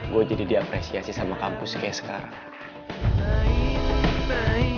gue jadi diapresiasi sama kampus kayak sekarang